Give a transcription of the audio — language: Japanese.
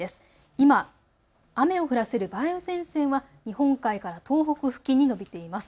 今、雨を降らせる梅雨前線は日本海から東北付近に延びています。